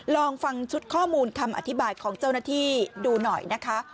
ลองฟังชุดข้อมูลคำอธิบายของเจ้าหน้าที่ดูหน่อยนะคะ